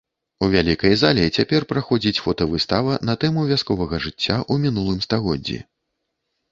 У вялікай зале цяпер праходзіць фотавыстава на тэму вясковага жыцця ў мінулым стагоддзі.